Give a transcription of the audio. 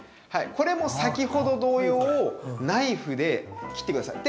これも先ほど同様ナイフで切って下さい。